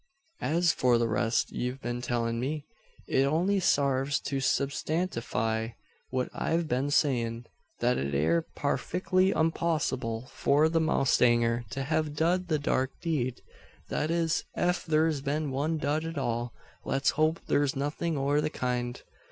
As for the rest ye've been tellin' me, it only sarves to substantify what I've been sayin' that it air parfickly unpossible for the mowstanger to hev dud the dark deed; that is, ef thur's been one dud at all. Let's hope thur's nothin' o' the kind.